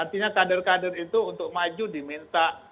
artinya kader kader itu untuk maju diminta